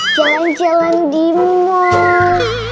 jalan jalan di mall